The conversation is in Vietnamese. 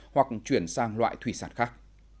hoặc chuyển sang loại thủy sản khác